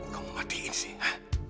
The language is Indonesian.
kamu matiin sih